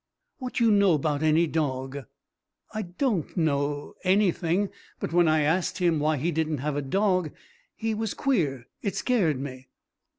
"What you know 'bout any dog?" "I don't know anything; but when I asked him why he didn't have a dog he was queer. It scared me."